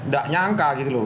gak nyangka gitu loh